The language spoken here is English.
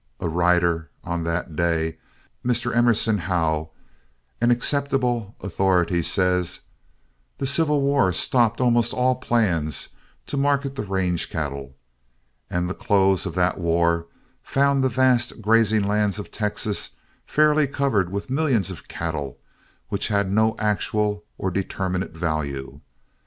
A writer on that day, Mr. Emerson Hough, an acceptable authority, says: "The civil war stopped almost all plans to market the range cattle, and the close of that war found the vast grazing lands of Texas fairly covered with millions of cattle which had no actual or determinate value.